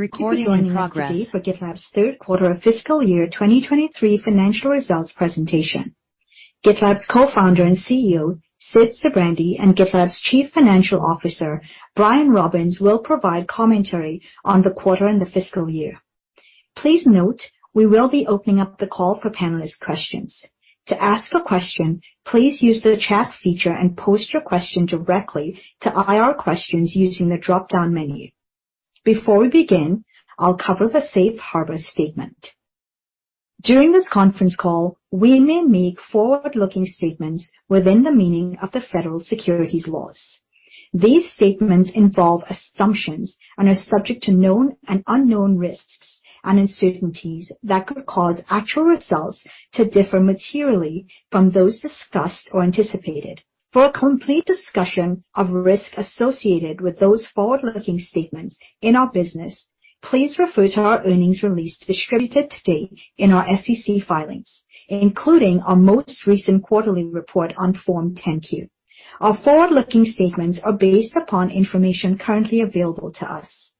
Thank you for joining us today for GitLab's third quarter of fiscal year 2023 financial results presentation. GitLab's Co-founder and CEO, Sid Sijbrandij, and GitLab's Chief Financial Officer, Brian Robins, will provide commentary on the quarter and the fiscal year. Please note, we will be opening up the call for panelist questions. To ask a question, please use the chat feature and post your question directly to IR questions using the dropdown menu. Before we begin, I'll cover the safe harbor statement. During this conference call, we may make forward-looking statements within the meaning of the Federal Securities laws. These statements involve assumptions and are subject to known and unknown risks and uncertainties that could cause actual results to differ materially from those discussed or anticipated. For a complete discussion of risks associated with those forward-looking statements in our business, please refer to our earnings release distributed today in our SEC filings, including our most recent quarterly report on Form 10-Q. Our forward-looking statements are based upon information currently available to us.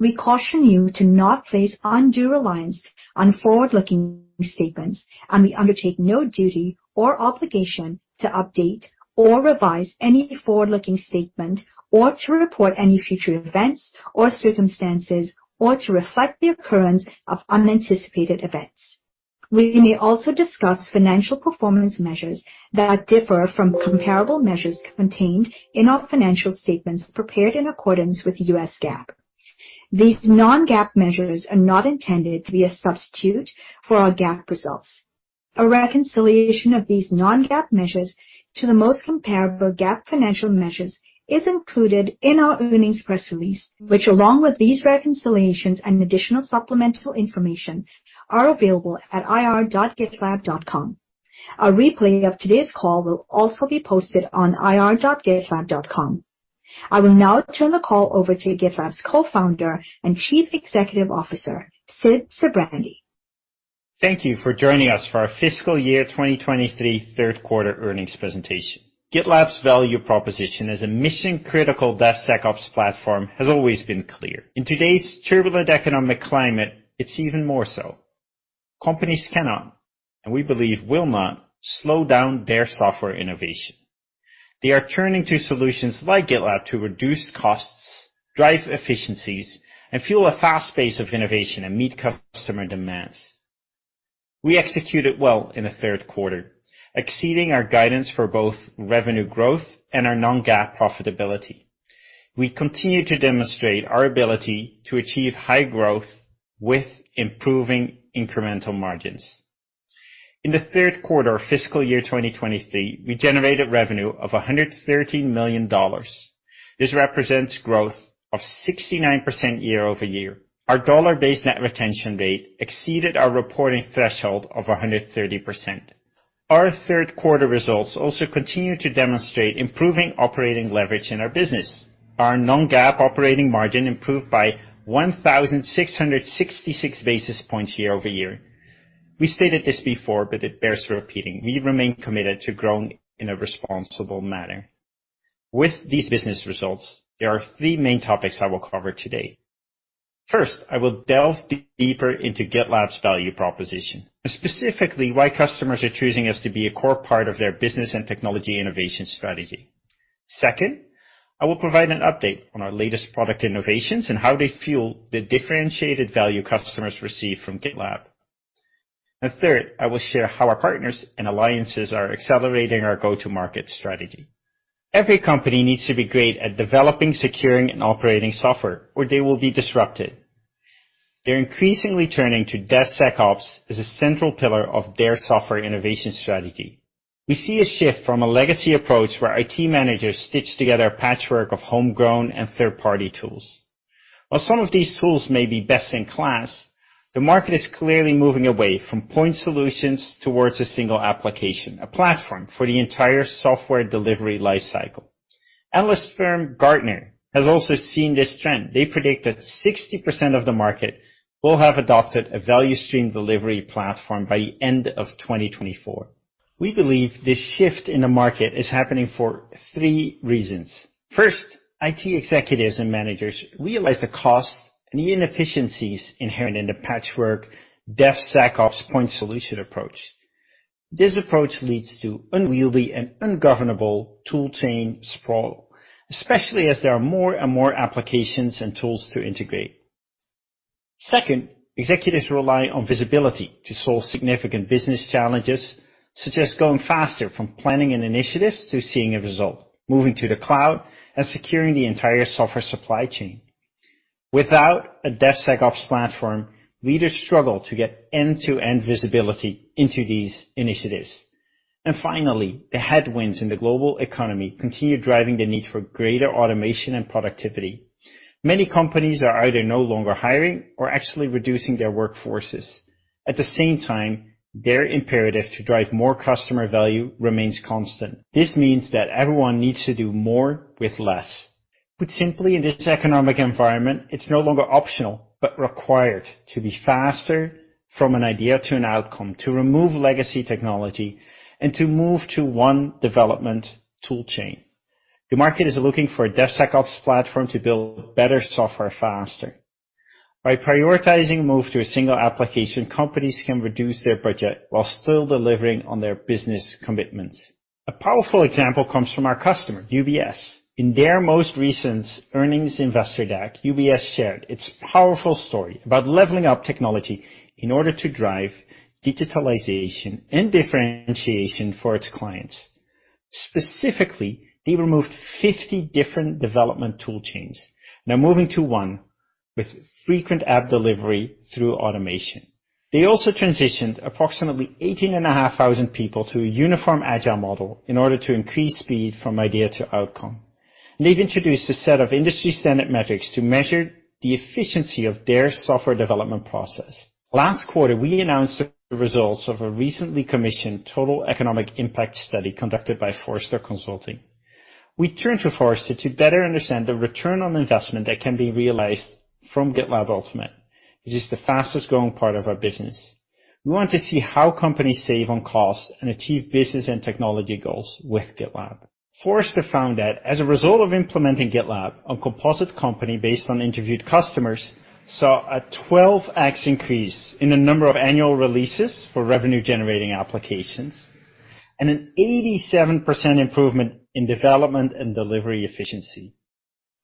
We caution you to not place undue reliance on forward-looking statements, and we undertake no duty or obligation to update or revise any forward-looking statement or to report any future events or circumstances or to reflect the occurrence of unanticipated events. We may also discuss financial performance measures that differrom comparable measures contained in our financial statements prepared in accordance with U.S. GAAP. These non-GAAP measures are not intended to be a substitute for our GAAP results. A reconciliation of these non-GAAP measures to the most comparable GAAP financial measures is included in our earnings press release, which along with these reconciliations and additional supplemental information, are available at ir.gitlab.com. A replay of today's call will also be posted on ir.gitlab.com. I will now turn the call over to GitLab's Co-founder and Chief Executive Officer, Sid Sijbrandij. Thank you for joining us for our fiscal year 2023 third quarter earnings presentation. GitLab's value proposition as a mission-critical DevSecOps platform has always been clear. In today's turbulent economic climate, it's even more so. Companies cannot, and we believe will not, slow down their software innovation. They are turning to solutions like GitLab to reduce costs, drive efficiencies, and fuel a fast pace of innovation and meet customer demands. We executed well in the third quarter, exceeding our guidance for both revenue growth and our non-GAAP profitability. We continue to demonstrate our ability to achieve high growth with improving incremental margins. In the third quarter of fiscal year 2023, we generated revenue of $130 million. This represents growth of 69% year-over-year. Our dollar-based net retention rate exceeded our reporting threshold of 130%. Our third quarter results also continue to demonstrate improving operating leverage in our business. Our non-GAAP operating margin improved by 1,666 basis points year-over-year. We stated this before. It bears repeating. We remain committed to growing in a responsible manner. With these business results, there are three main topics I will cover today. First, I will delve deeper into GitLab's value proposition, specifically why customers are choosing us to be a core part of their business and technology innovation strategy. Second, I will provide an update on our latest product innovations and how they fuel the differentiated value customers receive from GitLab. Third, I will share how our partners and alliances are accelerating our go-to market strategy. Every company needs to be great at developing, securing, and operating software, or they will be disrupted. They're increasingly turning to DevSecOps as a central pillar of their software innovation strategy. We see a shift from a legacy approach where IT managers stitch together a patchwork of homegrown and third-party tools. While some of these tools may be best in class, the market is clearly moving away from point solutions towards a single application, a platform for the entire software delivery life cycle. Analyst firm Gartner has also seen this trend. They predict that 60% of the market will have adopted a value stream delivery platform by end of 2024. We believe this shift in the market is happening for three reasons. First, IT executives and managers realize the costs and the inefficiencies inherent in the patchwork DevSecOps point solution approach. This approach leads to unwieldy and ungovernable tool chain sprawl, especially as there are more and more applications and tools to integrate. Second, executives rely on visibility to solve significant business challenges, such as going faster from planning and initiatives to seeing a result, moving to the cloud and securing the entire software supply chain. Without a DevSecOps platform, leaders struggle to get end-to-end visibility into these initiatives. Finally, the headwinds in the global economy continue driving the need for greater automation and productivity. Many companies are either no longer hiring or actually reducing their workforces. At the same time, their imperative to drive more customer value remains constant. This means that everyone needs to do more with less. Put simply, in this economic environment, it's no longer optional, but required to be faster from an idea to an outcome, to remove legacy technology, and to move to one development tool chain. The market is looking for a DevSecOps platform to build better software faster. By prioritizing move to a single application, companies can reduce their budget while still delivering on their business commitments. A powerful example comes from our customer, UBS. In their most recent earnings investor deck, UBS shared its powerful story about leveling up technology in order to drive digitalization and differentiation for its clients. Specifically, they removed 50 different development tool chains, now moving to one with frequent app delivery through automation. They also transitioned approximately 18,500 people to a uniform agile model in order to increase speed from idea to outcome. They've introduced a set of industry standard metrics to measure the efficiency of their software development process. Last quarter, we announced the results of a recently commissioned Total Economic Impact study conducted by Forrester Consulting. We turned to Forrester to better understand the return on investment that can be realized from GitLab Ultimate. It is the fastest-growing part of our business. We want to see how companies save on costs and achieve business and technology goals with GitLab. Forrester found that as a result of implementing GitLab, a composite company based on interviewed customers saw a 12x increase in the number of annual releases for revenue-generating applications and an 87% improvement in development and delivery efficiency.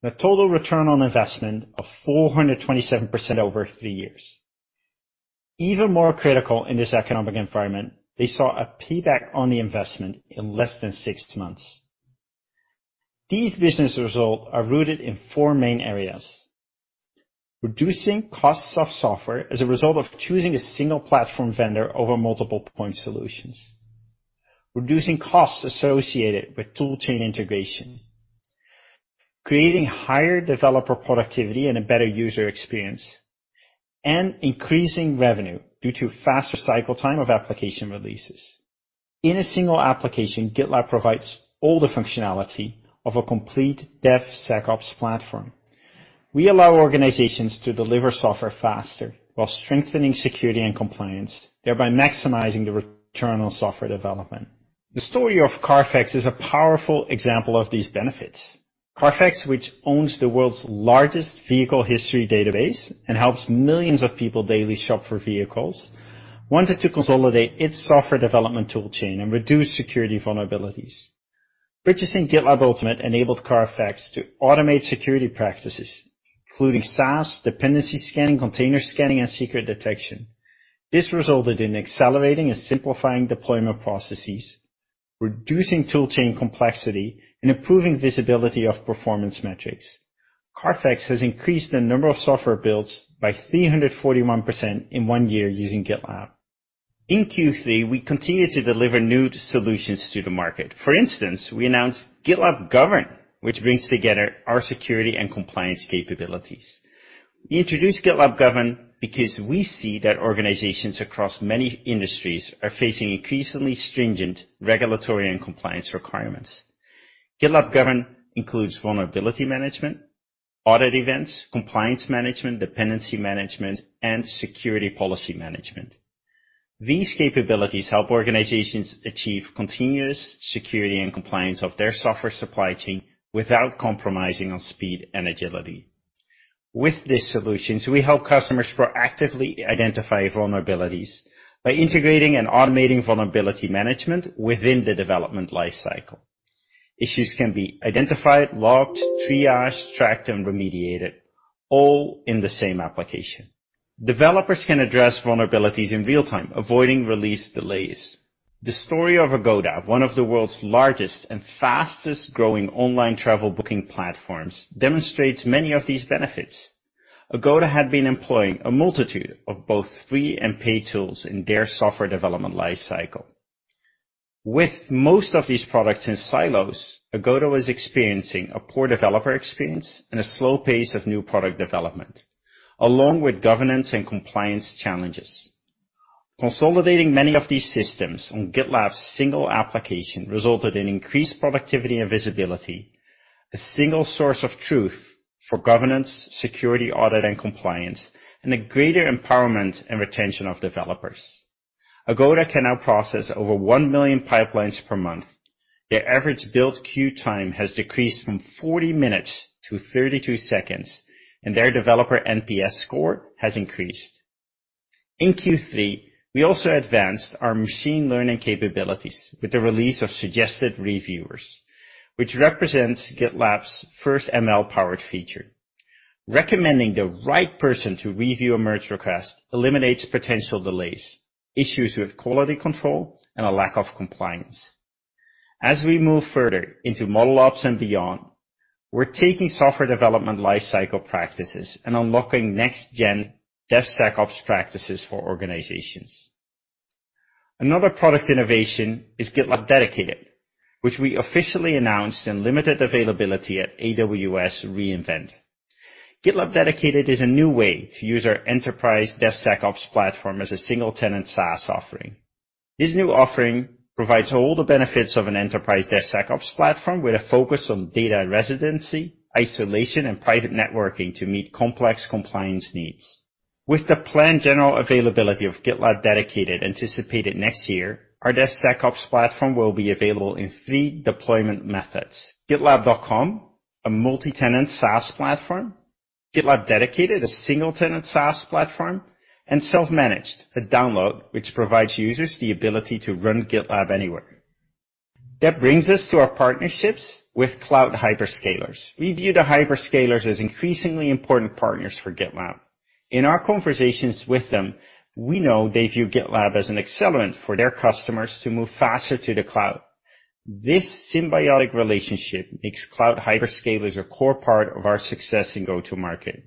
The total return on investment of 427% over three years. Even more critical in this economic environment, they saw a payback on the investment in less than six months. These business results are rooted in four main areas. Reducing costs of software as a result of choosing a single platform vendor over multiple point solutions. Reducing costs associated with tool chain integration. Creating higher developer productivity and a better user experience, and increasing revenue due to faster cycle time of application releases. In a single application, GitLab provides all the functionality of a complete DevSecOps platform. We allow organizations to deliver software faster while strengthening security and compliance, thereby maximizing the return on software development. The story of CARFAX is a powerful example of these benefits. CARFAX, which owns the world's largest vehicle history database and helps millions of people daily shop for vehicles, wanted to consolidate its software development tool chain and reduce security vulnerabilities. Purchasing GitLab Ultimate enabled CARFAX to automate security practices, including SaaS, dependency scanning, container scanning, and secret detection. This resulted in accelerating and simplifying deployment processes, reducing tool chain complexity, and improving visibility of performance metrics. CARFAX has increased the number of software builds by 341% in one year using GitLab. In Q3, we continue to deliver new solutions to the market. For instance, we announced GitLab Govern, which brings together our security and compliance capabilities. We introduced GitLab Govern because we see that organizations across many industries are facing increasingly stringent regulatory and compliance requirements. GitLab Govern includes Vulnerability Management, Audit Events, Compliance Management, Dependency Management, and Security Policy Management. These capabilities help organizations achieve continuous security and compliance of their software supply chain without compromising on speed and agility. With these solutions, we help customers proactively identify vulnerabilities by integrating and automating Vulnerability Management within the development life cycle. Issues can be identified, logged, triaged, tracked, and remediated, all in the same application. Developers can address vulnerabilities in real-time, avoiding release delays. The story of Agoda, one of the world's largest and fastest-growing online travel booking platforms, demonstrates many of these benefits. Agoda had been employing a multitude of both free and paid tools in their software development life cycle. With most of these products in silos, Agoda was experiencing a poor developer experience and a slow pace of new product development, along with governance and compliance challenges. Consolidating many of these systems on GitLab's single application resulted in increased productivity and visibility, a single source of truth for governance, security, audit and compliance, and a greater empowerment and retention of developers. Agoda can now process over 1 million pipelines per month. Their average build queue time has decreased from 40 minutes to 32 seconds, and their developer NPS score has increased. In Q3, we also advanced our machine learning capabilities with the release of Suggested Reviewers, which represents GitLab's first ML-powered feature. Recommending the right person to review a merge request eliminates potential delays, issues with quality control, and a lack of compliance. As we move further into ModelOps and beyond, we're taking software development lifecycle practices and unlocking next-gen DevSecOps practices for organizations. Another product innovation is GitLab Dedicated, which we officially announced in limited availability at AWS re:Invent. GitLab Dedicated is a new way to use our enterprise DevSecOps platform as a single-tenant SaaS offering. This new offering provides all the benefits of an enterprise DevSecOps platform with a focus on data residency, isolation, and private networking to meet complex compliance needs. With the planned general availability of GitLab Dedicated anticipated next year, our DevSecOps platform will be available in three deployment methods. GitLab.com, a multi-tenant SaaS platform, GitLab Dedicated, a single-tenant SaaS platform, and self-managed, a download which provides users the ability to run GitLab anywhere. That brings us to our partnerships with cloud hyperscalers. We view the hyperscalers as increasingly important partners for GitLab. In our conversations with them, we know they view GitLab as an accelerant for their customers to move faster to the cloud. This symbiotic relationship makes cloud hyperscalers a core part of our success in go-to market.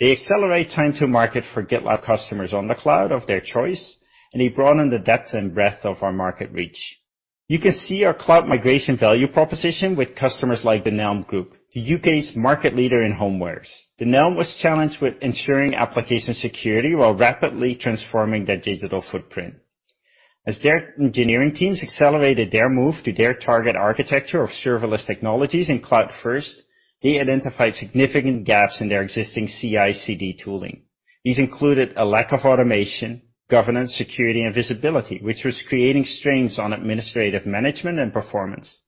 They accelerate time to market for GitLab customers on the cloud of their choice, and they broaden the depth and breadth of our market reach. You can see our cloud migration value proposition with customers like Dunelm Group, the U.K.'s market leader in homewares. Dunelm was challenged with ensuring application security while rapidly transforming their digital footprint. As their engineering teams accelerated their move to their target architecture of serverless technologies in cloud first, they identified significant gaps in their existing CI/CD tooling. These included a lack of automation, governance, security, and visibility, which was creating strains on administrative management and performance.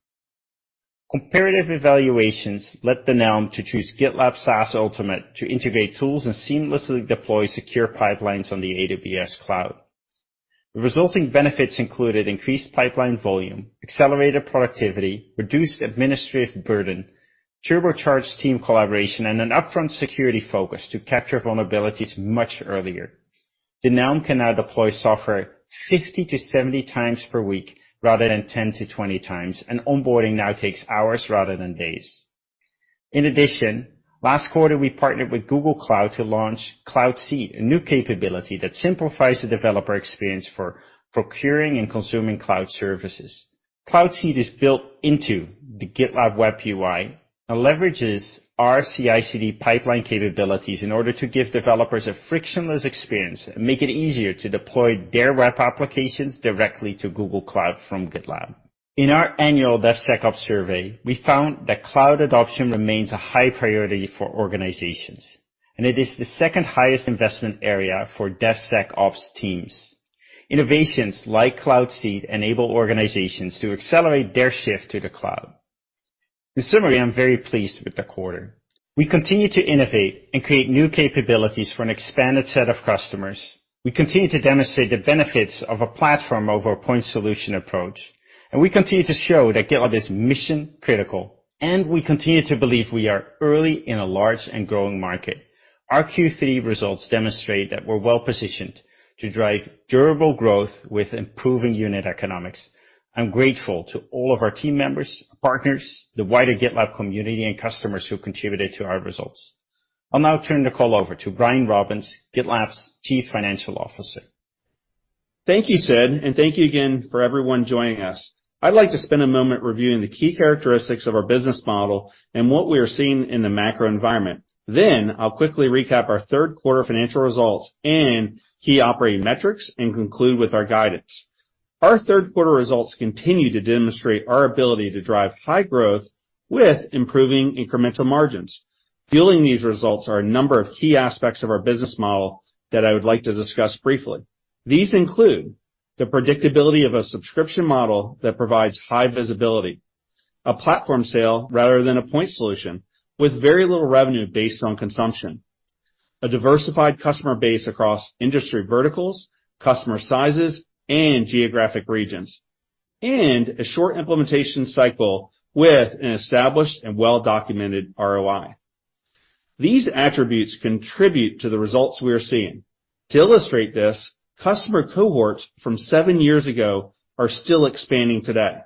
Comparative evaluations led Dunelm to choose GitLab SaaS Ultimate to integrate tools and seamlessly deploy secure pipelines on the AWS cloud. The resulting benefits included increased pipeline volume, accelerated productivity, reduced administrative burden, turbocharged team collaboration, and an upfront security focus to capture vulnerabilities much earlier. Dunelm can now deploy software 50 to 70x per week rather than 10 to 20x, and onboarding now takes hours rather than days. Last quarter, we partnered with Google Cloud to launch Cloud Seed, a new capability that simplifies the developer experience for procuring and consuming cloud services. Cloud Seed is built into the GitLab web UI and leverages our CI/CD pipeline capabilities in order to give developers a frictionless experience and make it easier to deploy their web applications directly to Google Cloud from GitLab. In our annual DevSecOps survey, we found that cloud adoption remains a high priority for organizations, and it is the second highest investment area for DevSecOps teams. Innovations like Cloud Seed enable organizations to accelerate their shift to the cloud. In summary, I'm very pleased with the quarter. We continue to innovate and create new capabilities for an expanded set of customers. We continue to demonstrate the benefits of a platform over a point solution approach, and we continue to show that GitLab is mission-critical, and we continue to believe we are early in a large and growing market. Our Q3 results demonstrate that we're well-positioned to drive durable growth with improving unit economics. I'm grateful to all of our team members, partners, the wider GitLab community, and customers who contributed to our results. I'll now turn the call over to Brian Robins, GitLab's Chief Financial Officer. Thank you, Sid, and thank you again for everyone joining us. I'd like to spend a moment reviewing the key characteristics of our business model and what we are seeing in the macro environment. I'll quickly recap our third quarter financial results and key operating metrics and conclude with our guidance. Our third quarter results continue to demonstrate our ability to drive high growth with improving incremental margins. Fueling these results are a number of key aspects of our business model that I would like to discuss briefly. These include the predictability of a subscription model that provides high visibility, a platform sale rather than a point solution with very little revenue based on consumption, a diversified customer base across industry verticals, customer sizes, and geographic regions, and a short implementation cycle with an established and well-documented ROI. These attributes contribute to the results we are seeing. To illustrate this, customer cohorts from seven years ago are still expanding today.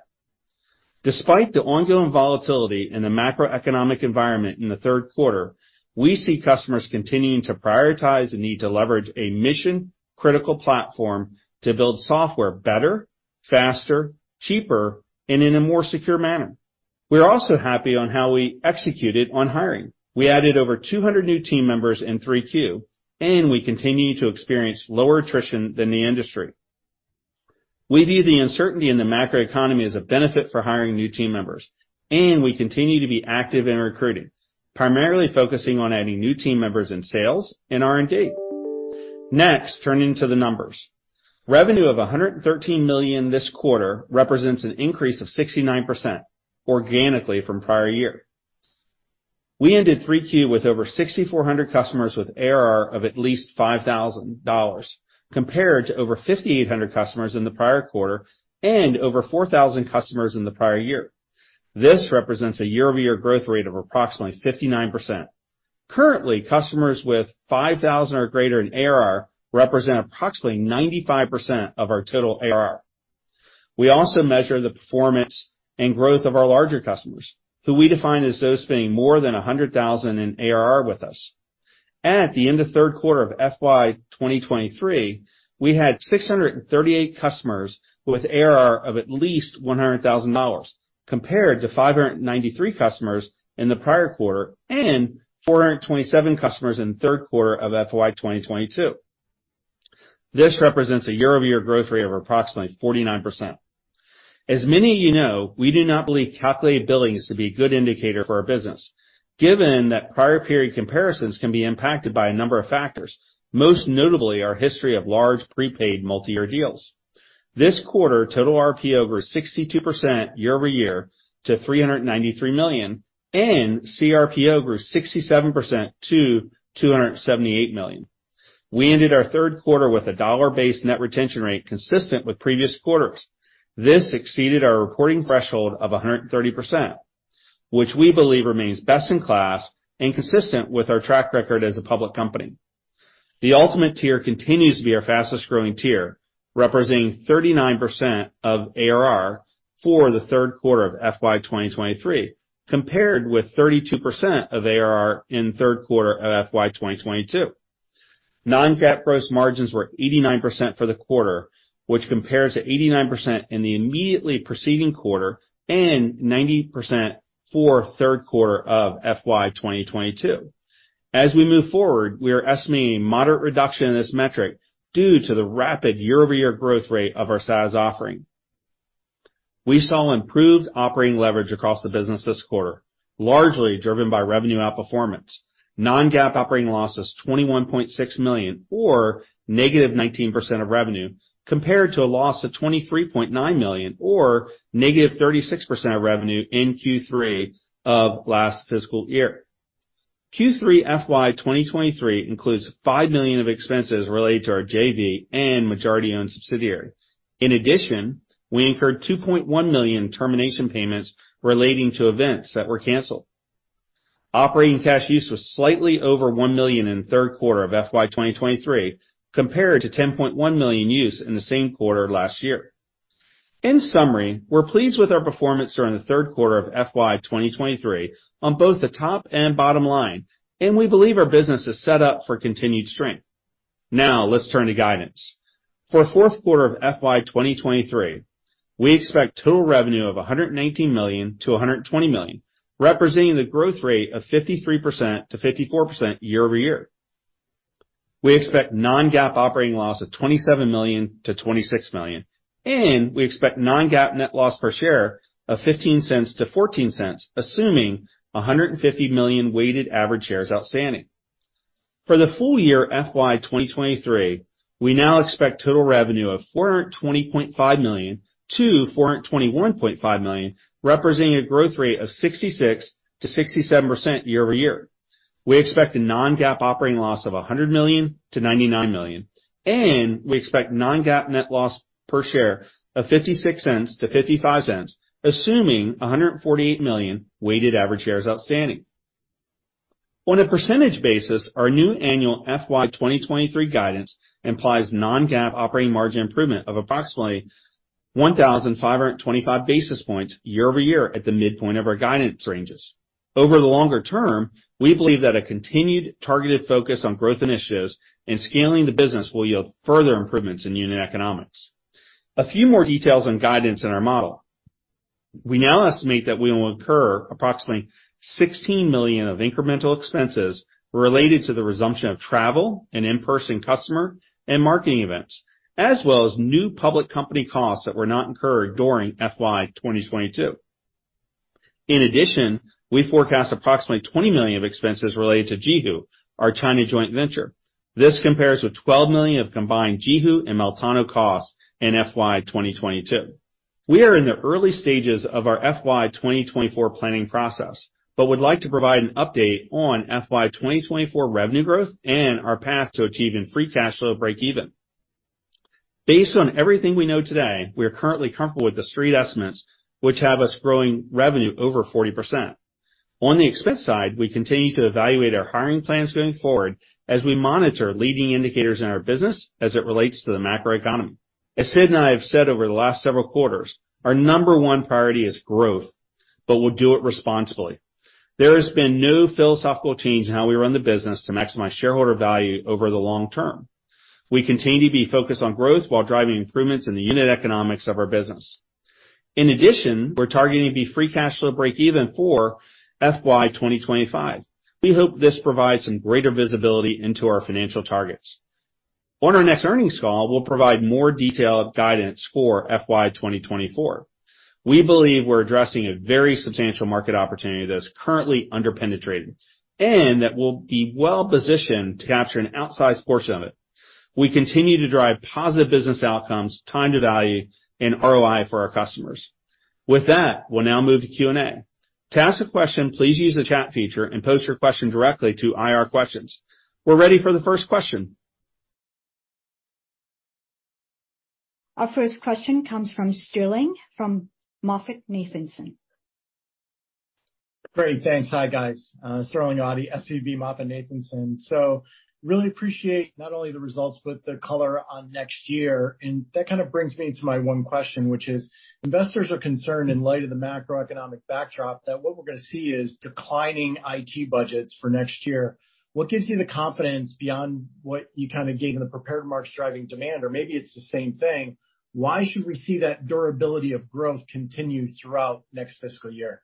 Despite the ongoing volatility in the macroeconomic environment in the third quarter, we see customers continuing to prioritize the need to leverage a mission-critical platform to build software better, faster, cheaper, and in a more secure manner. We're also happy on how we executed on hiring. We added over 200 new team members in 3Q, and we continue to experience lower attrition than the industry. We view the uncertainty in the macroeconomy as a benefit for hiring new team members, and we continue to be active in recruiting, primarily focusing on adding new team members in sales and R&D. Next, turning to the numbers. Revenue of $113 million this quarter represents an increase of 69% organically from prior year. We ended 3Q with over 6,400 customers with ARR of at least $5,000, compared to over 5,800 customers in the prior quarter and over 4,000 customers in the prior year. This represents a year-over-year growth rate of approximately 59%. Currently, customers with 5,000 or greater in ARR represent approximately 95% of our total ARR. We also measure the performance and growth of our larger customers, who we define as those spending more than $100,000 in ARR with us. At the end of third quarter of FY2023, we had 638 customers with ARR of at least $100,000, compared to 593 customers in the prior quarter and 427 customers in third quarter of FY2022. This represents a year-over-year growth rate of approximately 49%. As many of you know, we do not believe calculated billings to be a good indicator for our business, given that prior period comparisons can be impacted by a number of factors, most notably our history of large prepaid multi-year deals. This quarter, total RPO over 62% year-over-year to $393 million and CRPO grew 67% to $278 million. We ended our third quarter with a dollar-based net retention rate consistent with previous quarters. This exceeded our reporting threshold of 130%, which we believe remains best in class and consistent with our track record as a public company. The Ultimate tier continues to be our fastest-growing tier, representing 39% of ARR for the third quarter of FY 2023, compared with 32% of ARR in third quarter of FY 2022. Non-GAAP gross margins were 89% for the quarter, which compares to 89% in the immediately preceding quarter and 90% for third quarter of FY 2022. We are estimating a moderate reduction in this metric due to the rapid year-over-year growth rate of our SaaS offering. We saw improved operating leverage across the business this quarter, largely driven by revenue outperformance. Non-GAAP operating loss is $21.6 million or negative 19% of revenue, compared to a loss of $23.9 million or negative 36% of revenue in Q3 of last fiscal year. Q3 FY 2023 includes $5 million of expenses related to our JV and majority-owned subsidiary. We incurred $2.1 million termination payments relating to events that were canceled. Operating cash use was slightly over $1 million in third quarter of FY 2023, compared to $10.1 million use in the same quarter last year. In summary, we're pleased with our performance during the third quarter of FY 2023 on both the top and bottom line. We believe our business is set up for continued strength. Now let's turn to guidance. For fourth quarter of FY 2023, we expect total revenue of $119 million-$120 million, representing the growth rate of 53%-54% year-over-year. We expect non-GAAP operating loss of $27 million-$26 million. We expect non-GAAP net loss per share of $0.15-$0.14, assuming 150 million weighted average shares outstanding. For the full year FY 2023, we now expect total revenue of $420.5 million-$421.5 million, representing a growth rate of 66%-67% year-over-year. We expect a non-GAAP operating loss of $100 million-$99 million. We expect non-GAAP net loss per share of $0.56-$0.55, assuming 148 million weighted average shares outstanding. On a percentage basis, our new annual FY 2023 guidance implies non-GAAP operating margin improvement of approximately 1,525 basis points year-over-year at the midpoint of our guidance ranges. Over the longer term, we believe that a continued targeted focus on growth initiatives and scaling the business will yield further improvements in unit economics. A few more details on guidance in our model. We now estimate that we will incur approximately $16 million of incremental expenses related to the resumption of travel and in-person customer and marketing events, as well as new public company costs that were not incurred during FY 2022. We forecast approximately $20 million of expenses related to JiHu, our China joint venture. This compares with $12 million of combined JiHu and Meltano costs in FY 2022. We are in the early stages of our FY 2024 planning process, would like to provide an update on FY 2024 revenue growth and our path to achieving free cash flow breakeven. Based on everything we know today, we are currently comfortable with the Street estimates which have us growing revenue over 40%. On the expense side, we continue to evaluate our hiring plans going forward as we monitor leading indicators in our business as it relates to the macro economy. As Sid and I have said over the last several quarters, our number 1 priority is growth, but we'll do it responsibly. There has been no philosophical change in how we run the business to maximize shareholder value over the long term. We continue to be focused on growth while driving improvements in the unit economics of our business. In addition, we're targeting the free cash flow breakeven for FY 2025. We hope this provides some greater visibility into our financial targets. On our next earnings call, we'll provide more detailed guidance for FY 2024. We believe we're addressing a very substantial market opportunity that is currently under-penetrated and that we'll be well-positioned to capture an outsized portion of it. We continue to drive positive business outcomes, time to value, and ROI for our customers. With that, we'll now move to Q&A. To ask a question, please use the chat feature and post your question directly to IR questions. We're ready for the first question. Our first question comes from Sterling from MoffettNathanson. Great. Thanks. Hi, guys. Sterling Auty, SVB MoffettNathanson. Really appreciate not only the results but the color on next year. That kind of brings me to my one question, which is investors are concerned in light of the macroeconomic backdrop that what we're gonna see is declining IT budgets for next year. What gives you the confidence beyond what you kind of gave in the prepared remarks driving demand? Maybe it's the same thing. Why should we see that durability of growth continue throughout next fiscal year?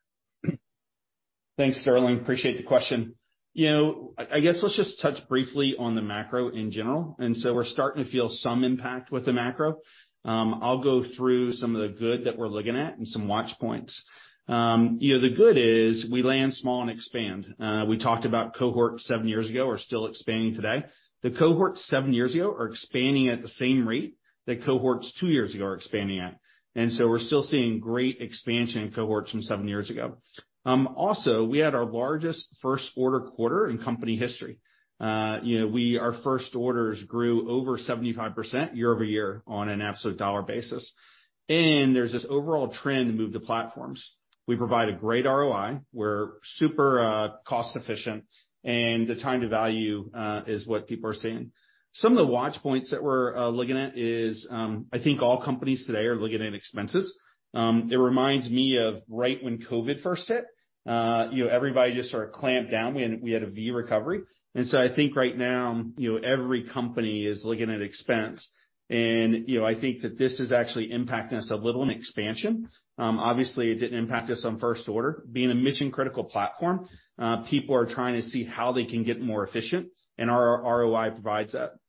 Thanks, Sterling. Appreciate the question. You know, I guess let's just touch briefly on the macro in general. We're starting to feel some impact with the macro. I'll go through some of the good that we're looking at and some watch points. You know, the good is we land small and expand. We talked about cohort seven years ago, are still expanding today. The cohort seven years ago are expanding at the same rate that cohorts two years ago are expanding at. We're still seeing great expansion in cohorts from seven years ago. Also, we had our largest first quarter in company history. You know, Our first orders grew over 75% year-over-year on an absolute dollar basis. There's this overall trend to move to platforms. We provide a great ROI, we're super, cost efficient, and the time to value is what people are seeing. Some of the watch points that we're looking at is, I think all companies today are looking at expenses. It reminds me of right when COVID first hit, you know, everybody just sort of clamped down. We had a V-recovery. I think right now, you know, every company is looking at expense and, you know, I think that this is actually impacting us a little in expansion. Obviously, it didn't impact us on first order. Being a mission-critical platform, people are trying to see how they can get more efficient, and our ROI provides that.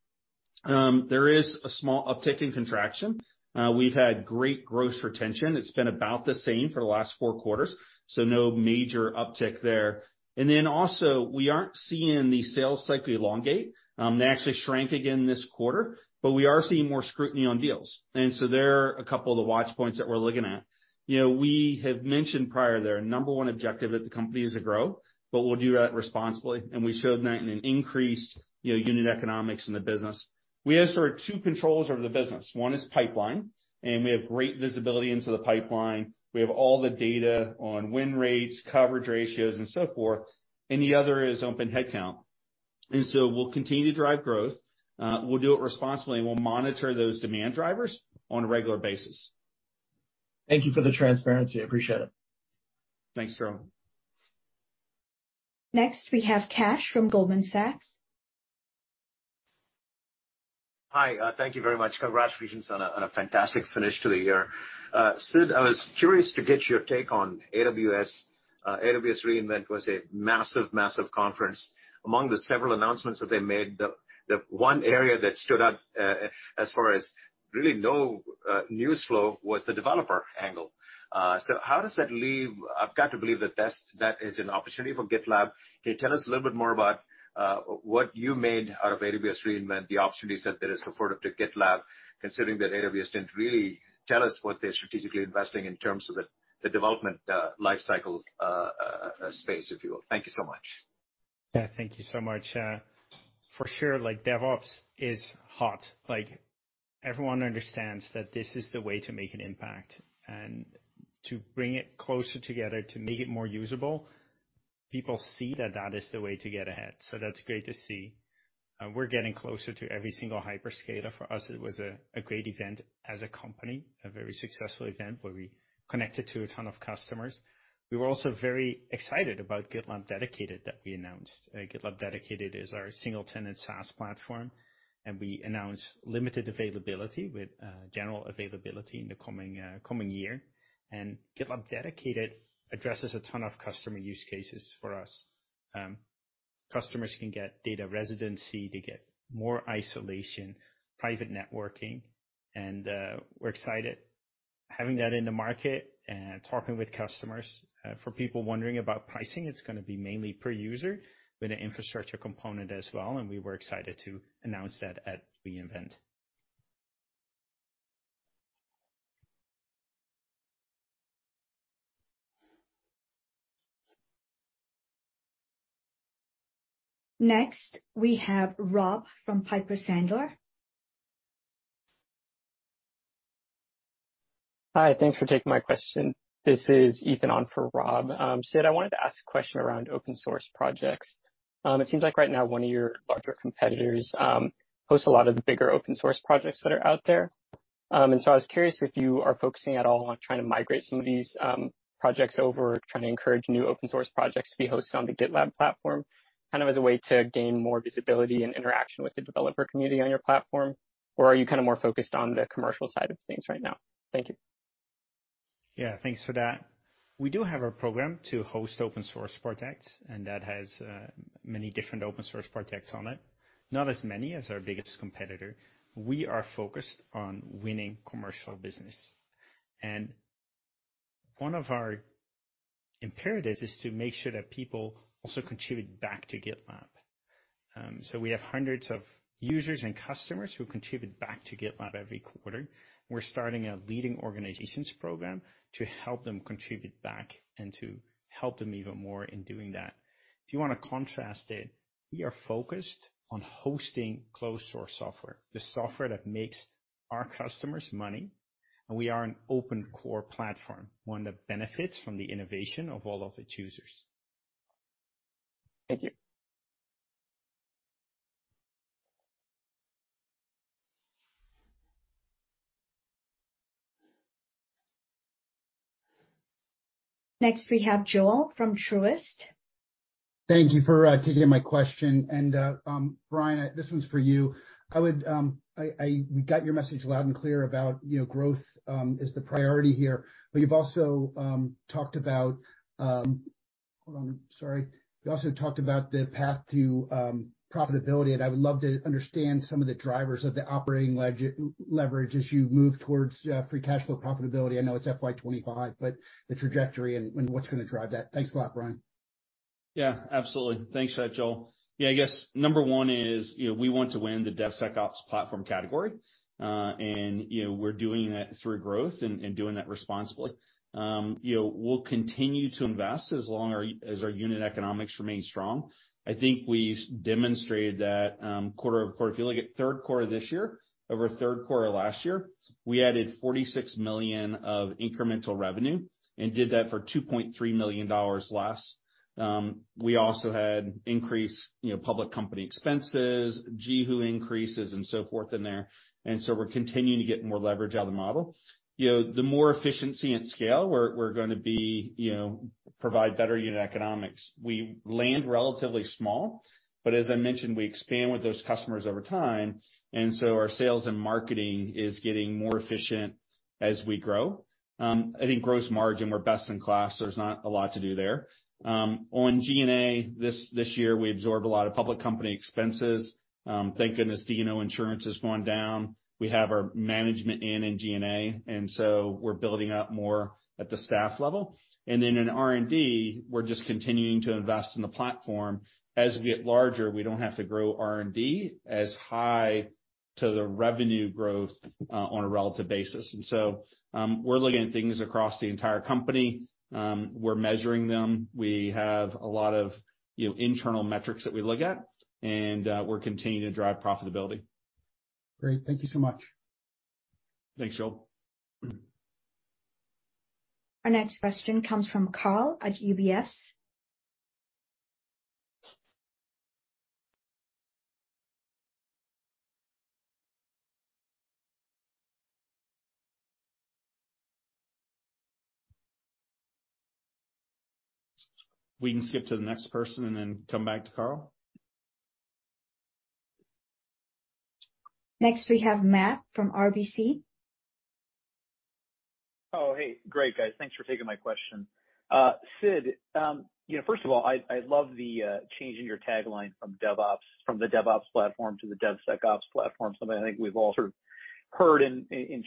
There is a small uptick in contraction. We've had great gross retention. It's been about the same for the last four quarters, so no major uptick there. We aren't seeing the sales cycle elongate. They actually shrank again this quarter, but we are seeing more scrutiny on deals. There are a couple of the watch points that we're looking at. You know, we have mentioned prior there, number one objective at the company is to grow. We'll do that responsibly, we showed that in an increased, you know, unit economics in the business. We have sort of two controls over the business. One is pipeline. We have great visibility into the pipeline. We have all the data on win rates, coverage ratios, and so forth. The other is open headcount. We'll continue to drive growth, we'll do it responsibly, and we'll monitor those demand drivers on a regular basis. Thank you for the transparency. I appreciate it. Thanks, Sterling. Next, we have Kash from Goldman Sachs. Hi. Thank you very much. Congrats, regions on a fantastic finish to the year. Sid, I was curious to get your take on AWS. AWS re:Invent was a massive conference. Among the several announcements that they made, the one area that stood out as far as really no news flow was the developer angle. I've got to believe that that's, that is an opportunity for GitLab. Can you tell us a little bit more about what you made out of AWS re:Invent, the opportunities that there is for GitLab, considering that AWS didn't really tell us what they're strategically investing in terms of the development life cycle space, if you will? Thank you so much. Yeah. Thank you so much. For sure, like, DevOps is hot. Like, everyone understands that this is the way to make an impact. To bring it closer together, to make it more usable, people see that that is the way to get ahead. That's great to see. We're getting closer to every single hyperscaler. For us, it was a great event as a company, a very successful event where we connected to a ton of customers. We were also very excited about GitLab Dedicated that we announced. GitLab Dedicated is our single-tenant SaaS platform, and we announced limited availability with general availability in the coming year. GitLab Dedicated addresses a ton of customer use cases for us. Customers can get data residency, they get more isolation, private networking, and we're excited having that in the market and talking with customers. For people wondering about pricing, it's gonna be mainly per user with an infrastructure component as well. We were excited to announce that at re:Invent. Next, we have Rob from Piper Sandler. Hi. Thanks for taking my question. This is Ethan on for Rob. Sid, I wanted to ask a question around open source projects. It seems like right now one of your larger competitors hosts a lot of the bigger open source projects that are out there. I was curious if you are focusing at all on trying to migrate some of these projects over, trying to encourage new open source projects to be hosted on the GitLab platform, kind of as a way to gain more visibility and interaction with the developer community on your platform. Are you kinda more focused on the commercial side of things right now? Thank you. Yeah. Thanks for that. We do have a program to host open source projects, and that has many different open source projects on it. Not as many as our biggest competitor. We are focused on winning commercial business. One of our imperatives is to make sure that people also contribute back to GitLab. We have hundreds of users and customers who contribute back to GitLab every quarter. We're starting a leading organizations program to help them contribute back and to help them even more in doing that. If you wanna contrast it, we are focused on hosting closed source software, the software that makes our customers money, and we are an open core platform, one that benefits from the innovation of all of the choosers. Thank you. Next, we have Joel from Truist. Thank you for taking my question. Brian, this one's for you. We got your message loud and clear about, you know, growth is the priority here. You've also talked about... Hold on. Sorry. You also talked about the path to profitability, I would love to understand some of the drivers of the operating leverage as you move towards free cash flow profitability. I know it's FY 2025, but the trajectory and what's gonna drive that. Thanks a lot, Brian. Absolutely. Thanks for that, Joel. I guess number one is, you know, we want to win the DevSecOps platform category, and, you know, we're doing that through growth and doing that responsibly. You know, we'll continue to invest as long as our unit economics remain strong. I think we've demonstrated that, quarter-over-quarter. If you look at third quarter this year over third quarter last year, we added $46 million of incremental revenue and did that for $2.3 million less. We also had increased, you know, public company expenses, G&A increases and so forth in there. We're continuing to get more leverage out of the model. You know, the more efficiency and scale we're gonna, you know, provide better unit economics. We land relatively small, but as I mentioned, we expand with those customers over time, and so our sales and marketing is getting more efficient as we grow. I think gross margin, we're best in class. There's not a lot to do there. On G&A this year, we absorbed a lot of public company expenses. Thank goodness D&O insurance has gone down. We have our management in G&A, and so we're building up more at the staff level. And then in R&D, we're just continuing to invest in the platform. As we get larger, we don't have to grow R&D as high to the revenue growth on a relative basis. And so, we're looking at things across the entire company. We're measuring them. We have a lot of, you know, internal metrics that we look at, and we're continuing to drive profitability. Great. Thank you so much. Thanks, Joel. Our next question comes from Karl at UBS. We can skip to the next person and then come back to Karl. Next, we have Matt from RBC. Hey. Great, guys. Thanks for taking my question. Sid, you know, first of all, I love the change in your tagline from the DevOps platform to the DevSecOps platform. Something I think we've all sort of heard in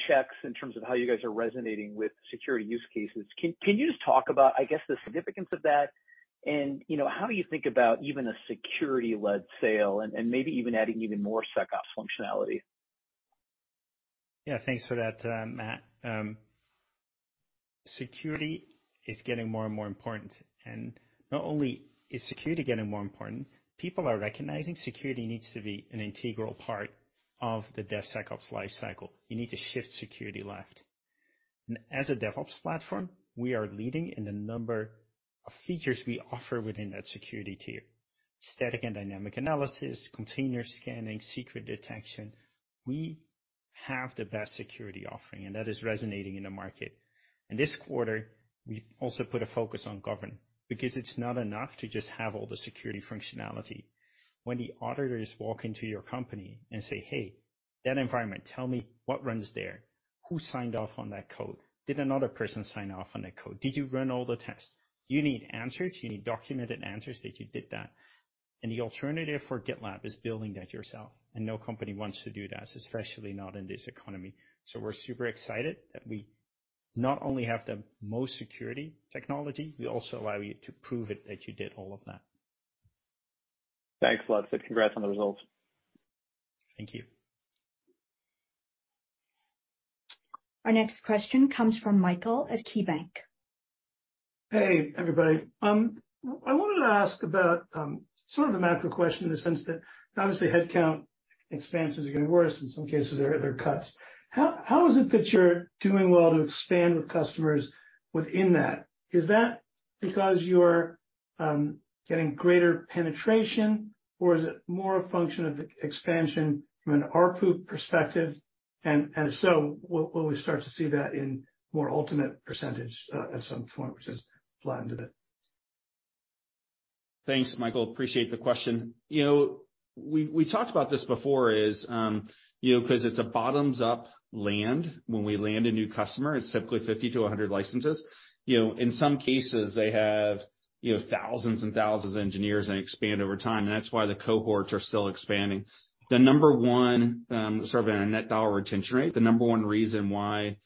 checks in terms of how you guys are resonating with security use cases. Can you just talk about, I guess, the significance of that and, you know, how you think about even a security-led sale and maybe even adding even more SecOps functionality? Yeah. Thanks for that, Matt. Security is getting more and more important. Not only is security getting more important, people are recognizing security needs to be an integral part of the DevSecOps life cycle. You need to shift security left. As a DevOps platform, we are leading in the number of features we offer within that security tier. Static and dynamic analysis, container scanning, secret detection. We have the best security offering, and that is resonating in the market. This quarter, we also put a focus on Govern, because it's not enough to just have all the security functionality. When the auditors walk into your company and say, "Hey, that environment, tell me what runs there. Who signed off on that code? Did another person sign off on that code? Did you run all the tests?" You need answers. You need documented answers that you did that. The alternative for GitLab is building that yourself, and no company wants to do that, especially not in this economy. We're super excited that we not only have the most security technology, we also allow you to prove it that you did all of that. Thanks a lot, Sid. Congrats on the results. Thank you. Our next question comes from Michael at KeyBanc. Hey, everybody. I wanted to ask about, sort of the macro question in the sense that obviously headcount expansions are getting worse. In some cases, they're cuts. How is it that you're doing well to expand with customers within that? Is that because you're getting greater penetration, or is it more a function of expansion from an ARPU perspective? If so, will we start to see that in more Ultimate percentage at some point, which has flattened a bit? Thanks, Michael. Appreciate the question. You know, we talked about this before is, you know, 'cause it's a bottoms-up land, when we land a new customer, it's typically 50 to 100 licenses. You know, in some cases they have, you know, thousands and thousands of engineers and expand over time, that's why the cohorts are still expanding. The number one, sort of in a net dollar retention rate, the number one reason why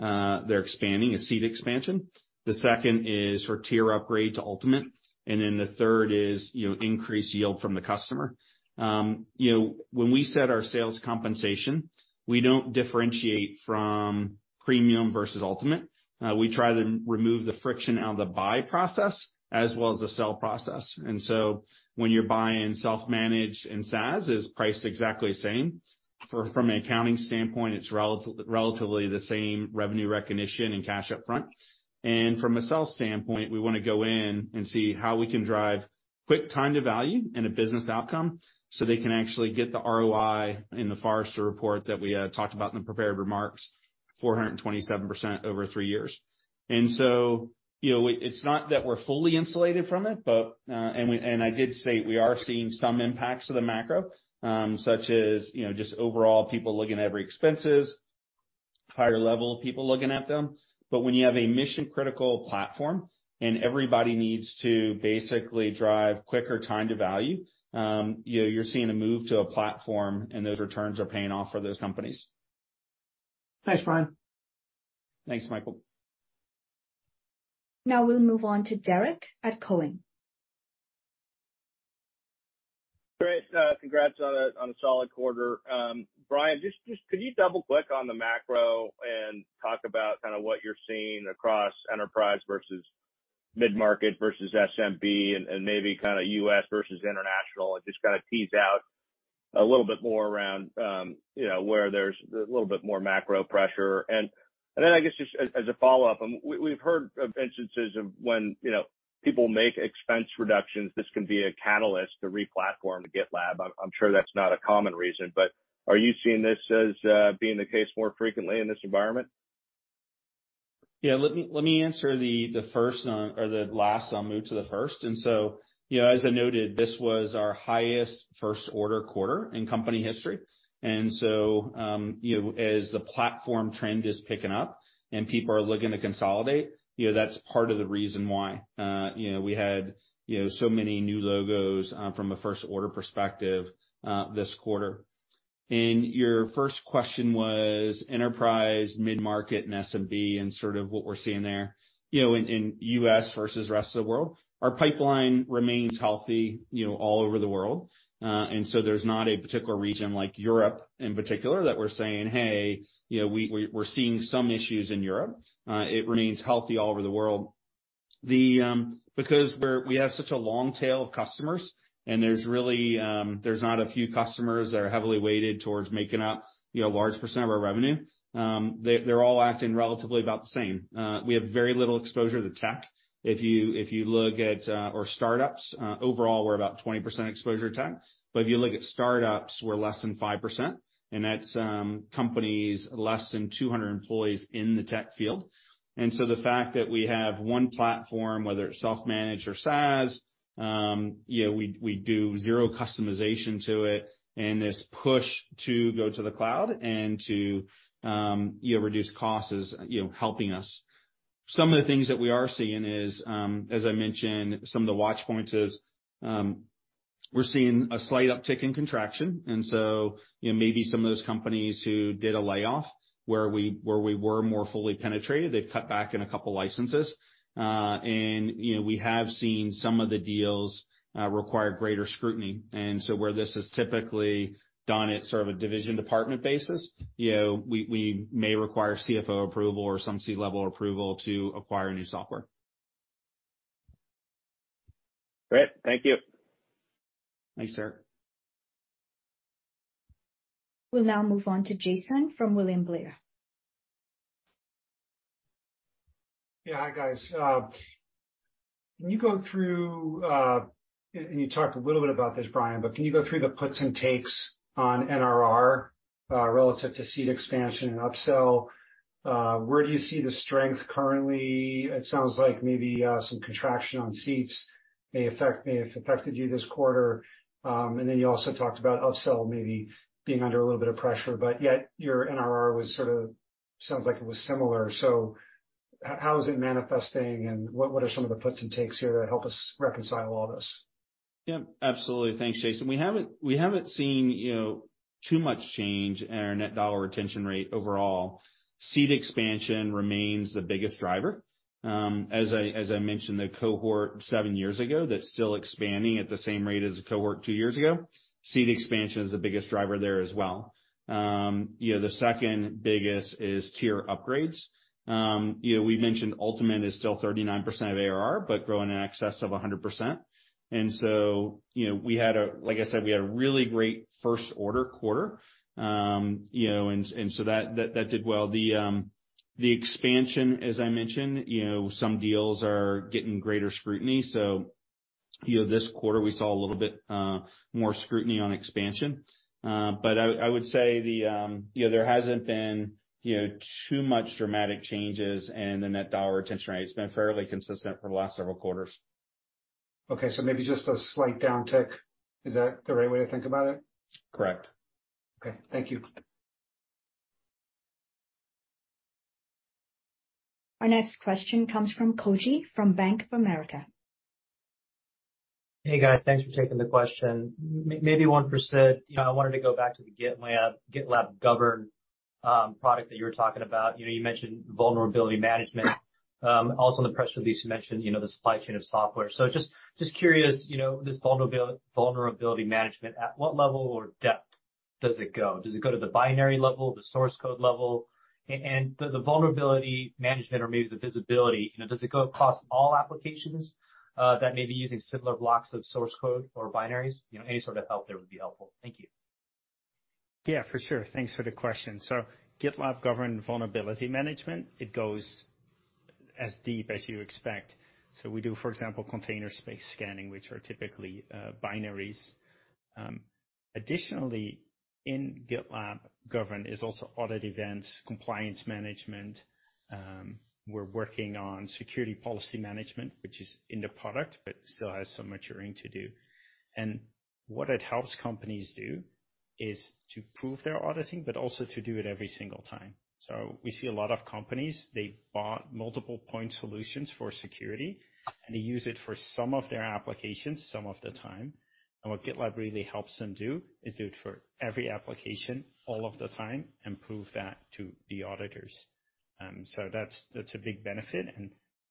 they're expanding is seat expansion. The second is for tier upgrade to Ultimate, then the third is, you know, increased yield from the customer. You know, when we set our sales compensation, we don't differentiate from Premium versus Ultimate. We try to remove the friction out of the buy process as well as the sell process. When you're buying self-managed and SaaS, it's priced exactly the same. From an accounting standpoint, it's relatively the same revenue recognition and cash up front. From a sales standpoint, we want to go in and see how we can drive quick time to value and a business outcome, so they can actually get the ROI in the Forrester report that we talked about in the prepared remarks, 427% over three years. You know, it's not that we're fully insulated from it, but and I did state we are seeing some impacts to the macro, such as, you know, just overall people looking at every expenses, higher level people looking at them. When you have a mission-critical platform and everybody needs to basically drive quicker time to value, you know, you're seeing a move to a platform, and those returns are paying off for those companies. Thanks, Brian. Thanks, Michael. Now we'll move on to Derrick at Cowen. Great. Congrats on a solid quarter. Brian, just could you double-click on the macro and talk about kinda what you're seeing across enterprise versus mid-market versus SMB and maybe kinda U.S. versus international? Just kinda tease out a little bit more around, you know, where there's a little bit more macro pressure. Then I guess just as a follow-up, we've heard of instances of when, you know, people make expense reductions, this can be a catalyst to re-platform to GitLab. I'm sure that's not a common reason, but are you seeing this as being the case more frequently in this environment? Yeah. Let me, let me answer the first one or the last. I'll move to the first. You know, as I noted, this was our highest first order quarter in company history. You know, as the platform trend is picking up and people are looking to consolidate, you know, that's part of the reason why, you know, we had, you know, so many new logos from a first order perspective this quarter. Your first question was enterprise, mid-market, and SMB, and sort of what we're seeing there, you know, in U.S. versus the rest of the world. Our pipeline remains healthy, you know, all over the world. There's not a particular region like Europe in particular that we're saying, "Hey, you know, we're seeing some issues in Europe." It remains healthy all over the world. We have such a long tail of customers, and there's really, there's not a few customers that are heavily weighted towards making up, you know, a large % of our revenue, they're all acting relatively about the same. We have very little exposure to tech. If you look at, or startups, overall we're about 20% exposure to tech, but if you look at startups, we're less than 5%, and that's companies less than 200 employees in the tech field. The fact that we have one platform, whether it's self-managed or SaaS, you know, we do zero customization to it. This push to go to the cloud and to, you know, reduce costs is, you know, helping us. Some of the things that we are seeing is, as I mentioned, some of the watch points is, we're seeing a slight uptick in contraction. You know, maybe some of those companies who did a layoff where we were more fully penetrated, they've cut back in a couple licenses. And, you know, we have seen some of the deals require greater scrutiny. Where this is typically done at sort of a division department basis, you know, we may require CFO approval or some C-level approval to acquire new software. Great. Thank you. Thanks, sir. We'll now move on to Jason from William Blair. Hi, guys. Can you go through, and you talked a little bit about this, Brian, but can you go through the puts and takes on NRR, relative to seat expansion and upsell? Where do you see the strength currently? It sounds like maybe, some contraction on seats may affect, may have affected you this quarter. Then you also talked about upsell maybe being under a little bit of pressure, but yet your NRR was sort of, sounds like it was similar. How is it manifesting and what are some of the puts and takes here to help us reconcile all this? Yeah, absolutely. Thanks, Jason. We haven't seen, you know, too much change in our net dollar retention rate overall. Seat expansion remains the biggest driver. As I mentioned, the cohort seven years ago, that's still expanding at the same rate as the cohort two years ago. Seat expansion is the biggest driver there as well. You know, the second biggest is tier upgrades. You know, we've mentioned Ultimate is still 39% of ARR, but growing in excess of 100%. You know, Like I said, we had a really great first order quarter. You know, and so that did well. The expansion, as I mentioned, you know, some deals are getting greater scrutiny, so, you know, this quarter we saw a little bit more scrutiny on expansion. I would say the, you know, there hasn't been, you know, too much dramatic changes in the net dollar retention rate. It's been fairly consistent for the last several quarters. Okay, maybe just a slight downtick. Is that the right way to think about it? Correct. Okay. Thank you. Our next question comes from Koji from Bank of America. Hey, guys. Thanks for taking the question. Maybe 1%, you know, I wanted to go back to the GitLab Govern product that you were talking about. You know, you mentioned Vulnerability Management. Also in the press release, you mentioned, you know, the supply chain of software. Just curious, you know, this Vulnerability Management, at what level or depth does it go? Does it go to the binary level, the source code level? The Vulnerability Management or maybe the visibility, you know, does it go across all applications that may be using similar blocks of source code or binaries? You know, any sort of help there would be helpful. Thank you. Yeah, for sure. Thanks for the question. GitLab Govern Vulnerability Management, it goes as deep as you expect. We do, for example, Container Scanning, which are typically binaries. Additionally in GitLab Govern is also Audit Events, Compliance Management. We're working on Security Policy Management, which is in the product, but still has some maturing to do. What it helps companies do is to prove their auditing, but also to do it every single time. We see a lot of companies, they bought multiple point solutions for security, and they use it for some of their applications some of the time. What GitLab really helps them do is do it for every application all of the time and prove that to the auditors. That's a big benefit.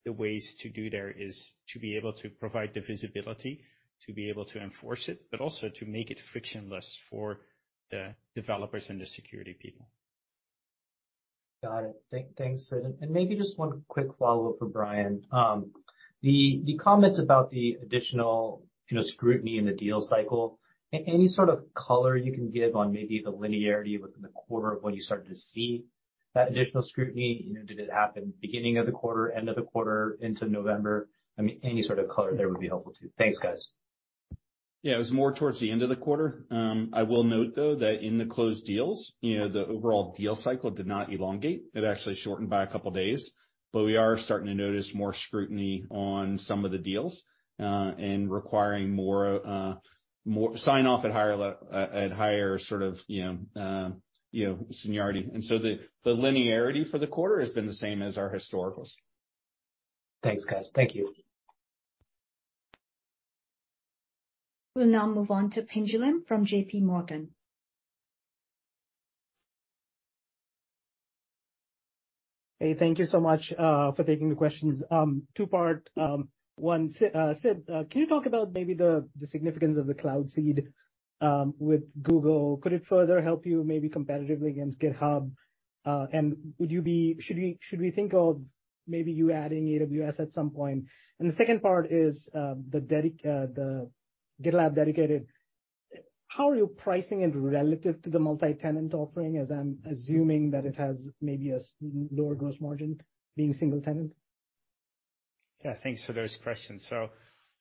The ways to do there is to be able to provide the visibility, to be able to enforce it, but also to make it frictionless for the developers and the security people. Got it. Thanks, Sid. Maybe just one quick follow-up for Brian. The comments about the additional, you know, scrutiny in the deal cycle, any sort of color you can give on maybe the linearity within the quarter of when you started to see that additional scrutiny? You know, did it happen beginning of the quarter, end of the quarter, into November? I mean, any sort of color there would be helpful too. Thanks, guys. Yeah. It was more towards the end of the quarter. I will note, though, that in the closed deals, you know, the overall deal cycle did not elongate. It actually shortened by a couple days. We are starting to notice more scrutiny on some of the deals and requiring more sign-off at higher sort of, you know, seniority. The linearity for the quarter has been the same as our historicals. Thanks, guys. Thank you. We'll now move on to Pinjalim Bora from J.P. Morgan. Hey, thank you so much for taking the questions. Two-part. One, Sid, can you talk about maybe the significance of the Cloud Seed with Google? Could it further help you maybe competitively against GitHub? Should we think of maybe you adding AWS at some point? The second part is, the GitLab Dedicated, how are you pricing it relative to the multi-tenant offering, as I'm assuming that it has maybe a lower gross margin being single tenant? Yeah. Thanks for those questions.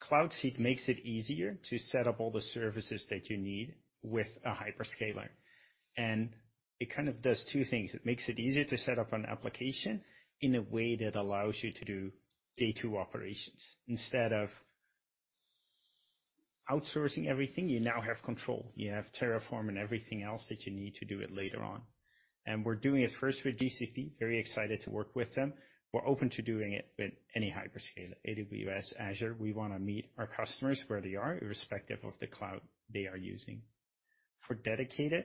Cloud Seed makes it easier to set up all the services that you need with a hyperscaler. It kind of does two things. It makes it easier to set up an application in a way that allows you to do day two operations. Instead of outsourcing everything, you now have control. You have Terraform and everything else that you need to do it later on. We're doing it first with GCP. Very excited to work with them. We're open to doing it with any hyperscaler, AWS, Azure. We wanna meet our customers where they are, irrespective of the cloud they are using. For Dedicated,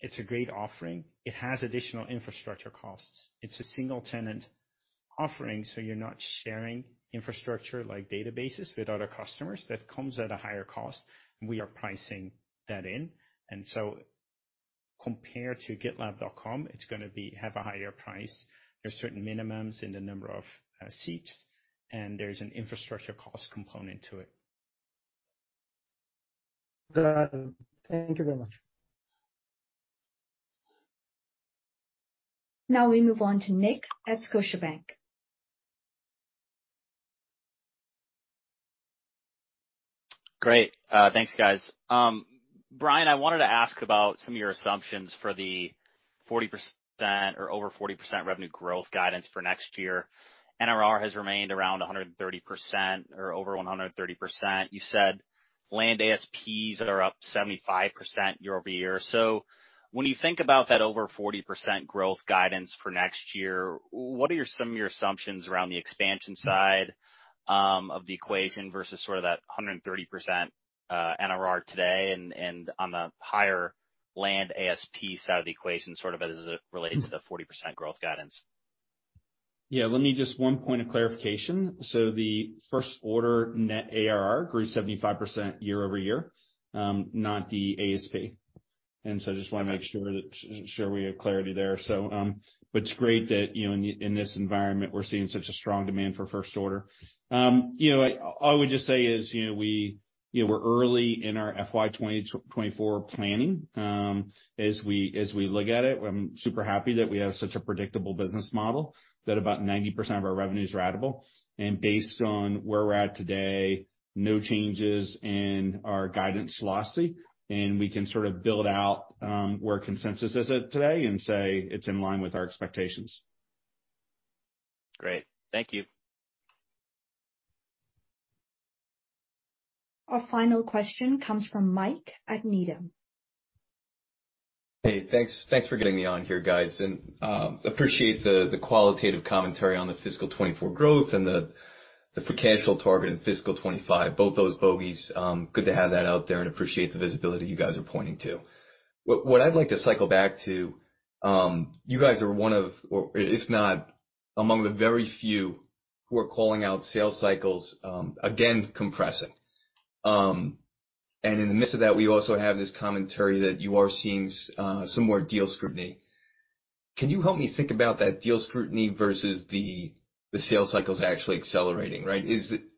it's a great offering. It has additional infrastructure costs. It's a single-tenant offering, you're not sharing infrastructure like databases with other customers. That comes at a higher cost, we are pricing that in. Compared to GitLab.com, it's gonna have a higher price. There are certain minimums in the number of seats, and there's an infrastructure cost component to it. Got it. Thank you very much. Now we move on to Nick at Scotiabank. Great. Thanks, guys. Brian, I wanted to ask about some of your assumptions for the 40% or over 40% revenue growth guidance for next year. NRR has remained around 130% or over 130%. You said land ASPs are up 75% year-over-year. When you think about that over 40% growth guidance for next year, what are your some of your assumptions around the expansion side of the equation versus sort of that 130% NRR today and on the higher land ASP side of the equation, sort of as it relates to the 40% growth guidance? Yeah. Let me just... One point of clarification. The first order net ARR grew 75% year-over-year, not the ASP. I just wanna make sure that, sure we have clarity there. But it's great that, you know, in this environment, we're seeing such a strong demand for first order. You know, I, all I would just say is, you know, we're early in our FY 2024 planning. As we look at it, I'm super happy that we have such a predictable business model, that about 90% of our revenue is ratable. Based on where we're at today, no changes in our guidance philosophy, and we can sort of build out where consensus is at today and say it's in line with our expectations. Great. Thank you. Our final question comes from Mike at Needham. Hey, thanks. Thanks for getting me on here, guys. Appreciate the qualitative commentary on the fiscal 2024 growth and the potential target in fiscal 2025, both those bogeys. Good to have that out there and appreciate the visibility you guys are pointing to. What I'd like to cycle back to, you guys are one of or, if not among the very few who are calling out sales cycles again compressing. In the midst of that, we also have this commentary that you are seeing some more deal scrutiny. Can you help me think about that deal scrutiny versus the sales cycles actually accelerating, right?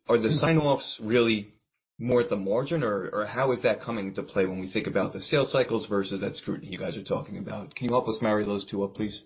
Are the sign-offs really more at the margin, or how is that coming into play when we think about the sales cycles versus that scrutiny you guys are talking about? Can you help us marry those two up, please?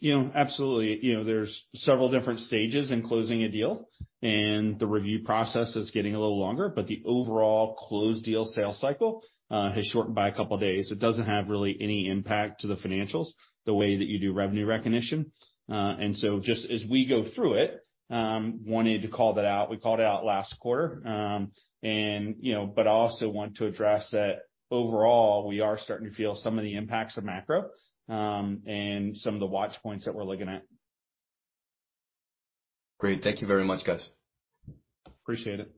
You know, absolutely. You know, there's several different stages in closing a deal, the review process is getting a little longer, but the overall closed deal sales cycle has shortened by a couple days. It doesn't have really any impact to the financials the way that you do revenue recognition. Just as we go through it, wanted to call that out. We called it out last quarter. You know, also want to address that overall, we are starting to feel some of the impacts of macro, and some of the watch points that we're looking at. Great. Thank you very much, guys. Appreciate it.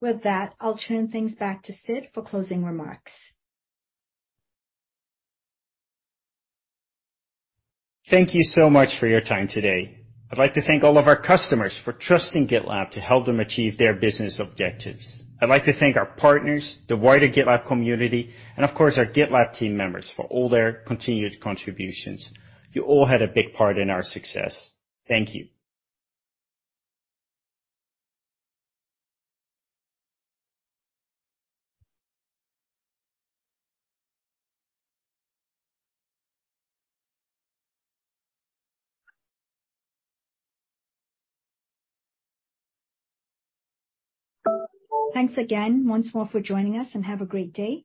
With that, I'll turn things back to Sid for closing remarks. Thank you so much for your time today. I'd like to thank all of our customers for trusting GitLab to help them achieve their business objectives. I'd like to thank our partners, the wider GitLab community, and of course, our GitLab team members for all their continued contributions. You all had a big part in our success. Thank you. Thanks again once more for joining us, and have a great day.